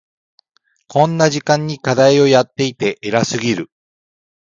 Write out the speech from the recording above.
こんな時間に課題をやっていて偉すぎる。